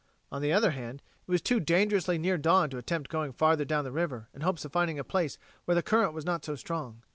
On the other hand, it was too dangerously near dawn to attempt going farther down the river in hopes of finding a place where the current was not so strong.